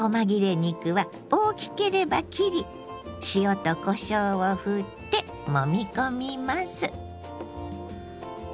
肉は大きければ切り塩とこしょうをふってもみ込みます。